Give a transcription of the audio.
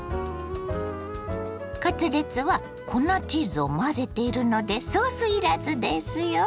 カツレツは粉チーズを混ぜているのでソースいらずですよ。